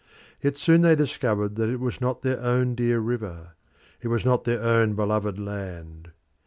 Yet soon they discovered that it was not their own dear river, it was not their own beloved land.